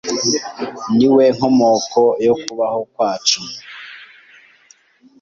Ni We nkomoko yo kubaho kwacu